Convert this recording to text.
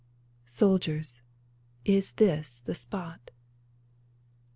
Soldiers, is this the spot